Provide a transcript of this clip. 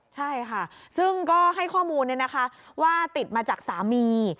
ใช่ค่ะซึ่งก็ให้ข้อมูลว่าติดมาจากสามี